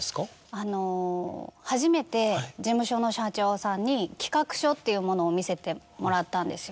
あの初めて事務所の社長さんに企画書っていうものを見せてもらったんですよ。